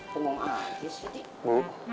pengong aja sih